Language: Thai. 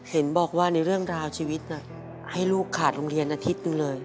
เห็นบอกว่าในเรื่องราวชีวิตน่ะให้ลูกขาดโรงเรียนอาทิตย์หนึ่งเลย